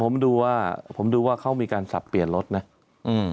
ผมดูว่าผมดูว่าเขามีการสับเปลี่ยนรถนะอืม